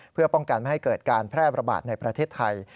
เพื่อป้องกันไม่ให้เกิดการแพร่ระบาดในประเทศไทย